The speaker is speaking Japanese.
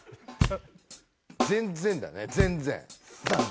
全然だね全然バン！